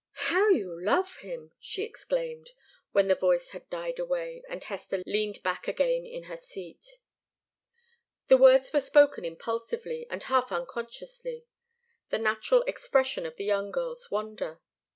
"How you love him!" she exclaimed, when the voice had died away, and Hester leaned back again in her seat. The words were spoken impulsively and half unconsciously the natural expression of the young girl's wonder.